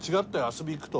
遊びに行くと。